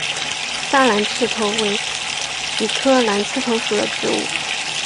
砂蓝刺头为菊科蓝刺头属的植物。